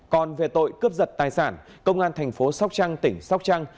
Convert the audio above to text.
còn về tội cướp giật tài sản công an thành phố sóc trăng tỉnh sóc trăng